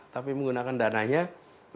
tapi menggunakan dananya untuk membuat produk